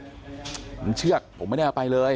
มันเชือกผมไม่ได้เอาไปเลย